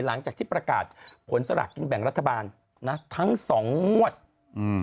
หลังจากที่ประกาศผลสลากกินแบ่งรัฐบาลนะทั้งสองงวดอืม